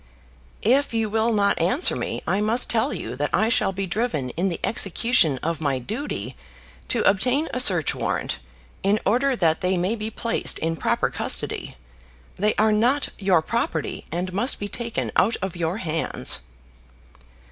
"If you will not answer me, I must tell you that I shall be driven in the execution of my duty to obtain a search warrant, in order that they may be placed in proper custody. They are not your property, and must be taken out of your hands."